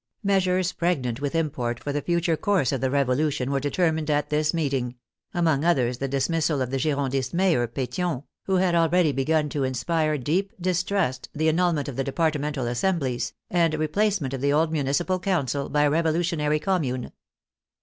Measures pregnant with import for the future course of the Revolution were determined at this meeting; among others the dismissal of the Girondist mayor, Petion, who had already begun to inspire deep distrust, the annulment of the Departmental Assemblies, and re placement of the old municipal council by a Revolutionary Commune.